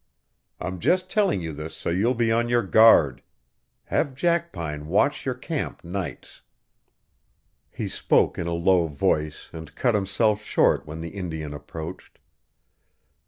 I'm just telling you this so you'll be on your guard. Have Jackpine watch your camp nights." He spoke in a low voice and cut himself short when the Indian approached.